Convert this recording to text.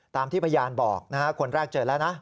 ตามที่พยานบอกนะฮะคนแรกเจอแล้วนะ